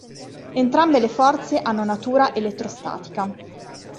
Entrambe le forze hanno natura elettrostatica.